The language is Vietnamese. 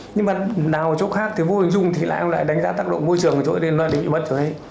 nhưng mà nào ở chỗ khác thì vô hình dung thì lại đánh giá tắc độ môi trường rồi nên là bị mất